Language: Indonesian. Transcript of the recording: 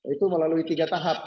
itu melalui tiga tahap